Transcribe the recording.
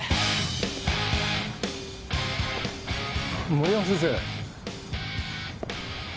森山先生。